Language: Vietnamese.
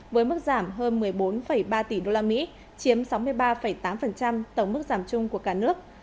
với mức giảm hơn một mươi bốn ba tỷ usd chiếm sáu mươi ba tám tổng mức giảm chung của cả nước